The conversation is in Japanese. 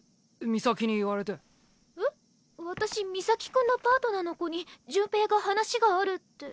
私海咲君のパートナーの子に潤平が話があるって。